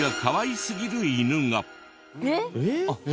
えっ？